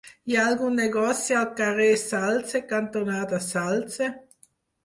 Hi ha algun negoci al carrer Salze cantonada Salze?